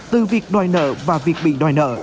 từ việc đòi nợ và việc bị đòi nợ